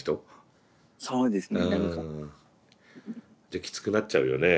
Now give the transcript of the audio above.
じゃあきつくなっちゃうよね